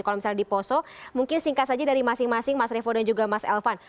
kalau misalnya di poso mungkin singkat saja dari masing masing mas revo dan juga mas elvan